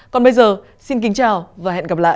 còn bây giờ xin kính chào và hẹn gặp lại